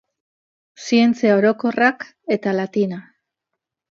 Zientzia Orokorrak eta Latina.